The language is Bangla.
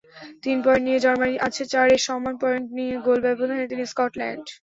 তিন পয়েন্ট নিয়ে জার্মানি আছে চারে, সমান পয়েন্ট নিয়ে গোলব্যবধানে তিনে স্কটল্যান্ড।